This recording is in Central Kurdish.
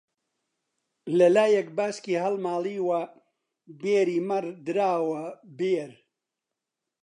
لەلایەک باسکی هەڵماڵیوە بێری مەڕ دراوە بێر